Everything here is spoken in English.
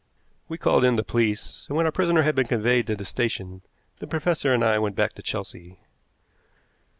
We called in the police, and, when our prisoner had been conveyed to the station, the professor and I went back to Chelsea.